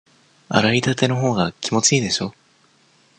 洗いたてのほうが気持ちいいでしょ？